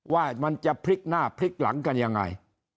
ว่ามันจะพลิกหน้าพลิกหลังกันยังไง